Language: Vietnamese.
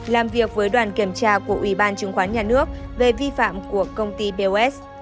làm việc với đoàn kiểm tra của ủy ban chứng khoán nhà nước về vi phạm của công ty bos